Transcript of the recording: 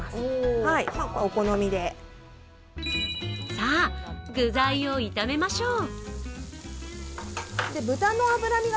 さぁ、具材を炒めましょう。